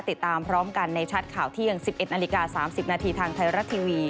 ติดตามพร้อมกันในชัดข่าวเที่ยง๑๑นาฬิกา๓๐นาทีทางไทยรัฐทีวี